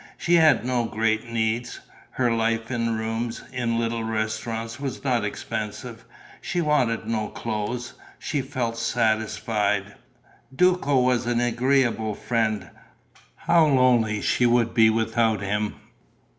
She had no great needs. Her life in rooms, in little restaurants was not expensive. She wanted no clothes. She felt satisfied. Duco was an agreeable friend: how lonely she would be without him!